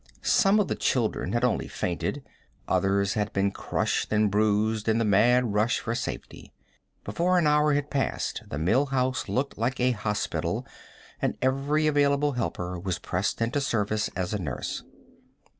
Some of the children had only fainted; others had been crushed and bruised in the mad rush for safety. Before an hour had passed the Mill House looked like a hospital, and every available helper was pressed into service as a nurse.